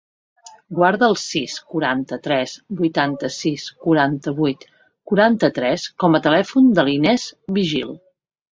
Guarda el sis, quaranta-tres, vuitanta-sis, quaranta-vuit, quaranta-tres com a telèfon de l'Inés Vigil.